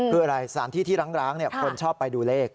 คืออะไรสถานที่ที่ร้างคนชอบไปดูเลข